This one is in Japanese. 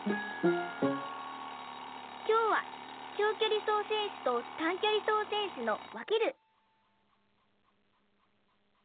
きょうは長距離走選手と短距離走選手のわける！